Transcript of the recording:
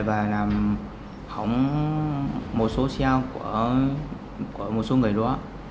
và làm hỏng một số xe hỏng của họ